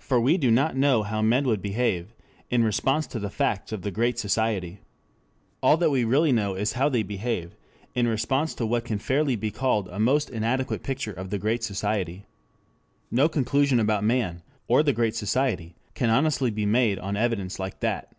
For we do not know how men would behave in response to the facts of the Great Society. All that we really know is how they behave in response to what can fairly be called a most inadequate picture of the Great Society. No conclusion about man or the Great Society can honestly be made on evidence like that.